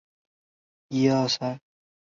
这些石刻仍存。